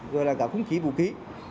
rồi là cả khung khí vũ khí